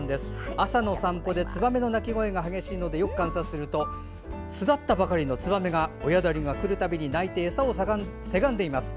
朝の散歩でツバメの鳴き声が激しいのでよく観察すると巣立ったばかりのツバメが親鳥が来るたびに鳴いて餌をせがんでます。